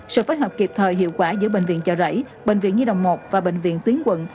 sự phối hợp kịp thời hiệu quả giữa bệnh viện chợ rẫy bệnh viện nhi đồng một và bệnh viện tuyến quận